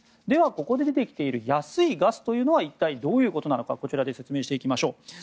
では、ここで見ている安いガスとは一体、どういうことのなのか説明していきましょう。